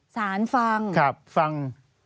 สารฟังครับฟัง